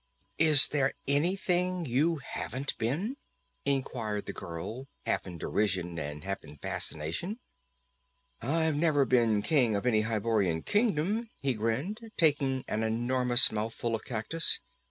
"Is there anything you haven't been?" inquired the girl, half in derision and half in fascination. "I've never been king of an Hyborian kingdom," he grinned, taking an enormous mouthful of cactus.